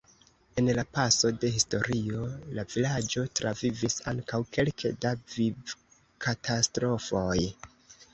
En la paso de historio la vilaĝo travivis ankaŭ kelke da vivkatastrofoj.